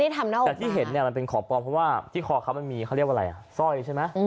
แต่ที่เห็นนี่มันเป็นของปลอมเพราะว่าที่คอมมันมีซ่อยใช่ไหม